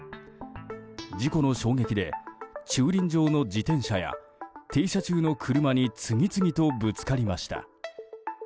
事故の衝撃で駐輪場の自転車や停車中の車に次々とぶつかりました。